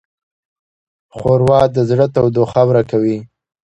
ښوروا د زړه تودوخه ورکوي.